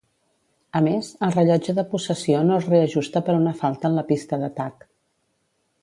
A més, el rellotge de possessió no es reajusta per una falta en la pista d'atac.